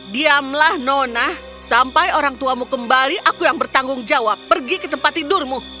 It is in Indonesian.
diamlah nonah sampai orang tuamu kembali aku yang bertanggung jawab pergi ke tempat tidurmu